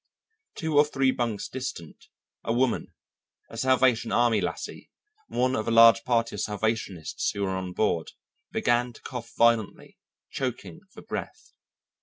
Two or three bunks distant, a woman, a Salvation Army lassie, one of a large party of Salvationists who were on board, began to cough violently, choking for breath.